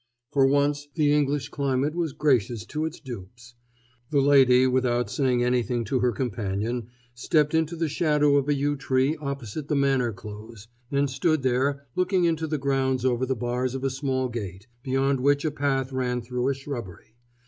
For once, the English climate was gracious to its dupes. The lady, without saying anything to her companion, stepped into the shadow of a yew tree opposite the manor close, and stood there, looking into the grounds over the bars of a small gate, beyond which a path ran through a shrubbery.